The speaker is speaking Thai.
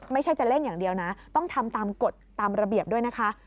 ไม่ใช่จะเล่นอย่างเดียวนะต้องทำตามกฎตามระเบียบด้วยนะคะ